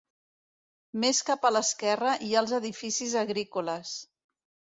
Més cap a l'esquerra hi ha els edificis agrícoles.